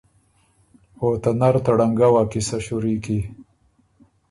او ته نر ته ړنګؤ ا قیصۀ شُوري کی۔